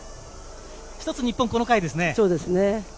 一つ日本この回ですね。